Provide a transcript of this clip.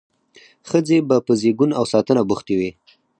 ښځې به په زیږون او ساتنه بوختې وې.